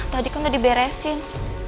tadi kan udah diberesin